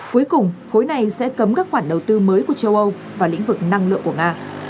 cuối cùng khối này sẽ cấm các khoản đầu tư mới của châu âu vào lĩnh vực năng lượng của nga